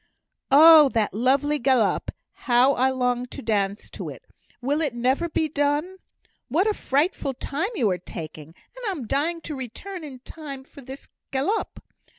"Oh, that lovely galop! How I long to dance to it! Will it never be done? What a frightful time you are taking; and I'm dying to return in time for this galop!"